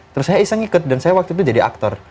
terus saya iseng ngikut dan saya waktu itu jadi aktor